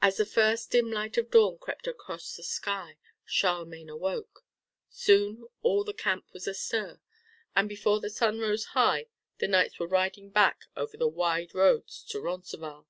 As the first dim light of dawn crept across the sky, Charlemagne awoke. Soon all the camp was astir, and before the sun rose high the knights were riding back over the wide roads to Roncesvalles.